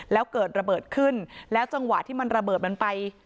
แล้วเกิดระเบิดขึ้นแล้วจังหวะที่มันระเบิดมันไป